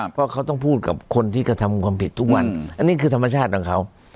เพราะเขาต้องพูดกับคนที่กระทำความผิดทุกวันอันนี้คือธรรมชาติของเขา